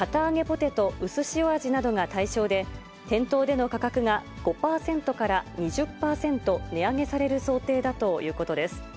ポテトうすしお味などが対象で、店頭での価格が５％から２０％値上げされる想定だということです。